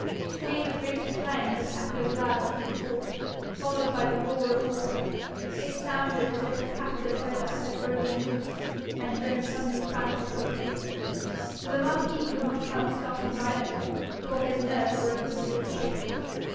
Came a great clang that echoed loud through the court, followed by the roar of water. It sounded as if a captive river had broken loose, and grown suddenly frantic with freedom. The marquis could not help starting violently, for his nerves were a good deal shaken.